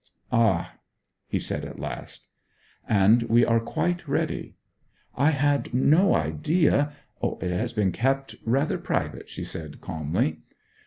'Ah!' he said at last. 'And we are quite ready.' 'I had no idea ' 'It has been kept rather private,' she said calmly.